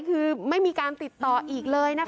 คือไม่มีการติดต่ออีกเลยนะคะ